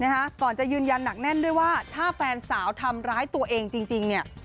ก่อนจะยืนยันหนักแน่นด้วยว่าถ้าแฟนสาวทำร้ายตัวเองจริงเนี่ย